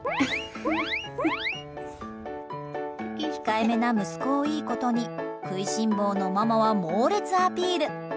控えめな息子をいいことに食いしん坊のママは猛烈アピール。